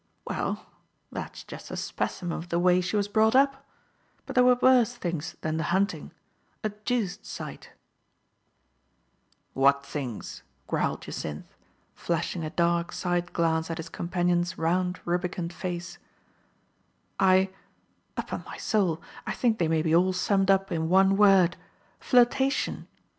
" Well, that's just a specimen of the way she was brought up. But there were worse things than the hunting, a deuced sight." Digitized by Google FRANCES ELEANOR TROLLOP E, 3^ "What things?" growled Jacynth, flashing a dark side glance at his companion's round rubi cund face. " I — upon my soul, I think they may be all summed up in one word — flirtation